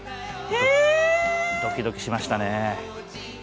ドキドキしましたね。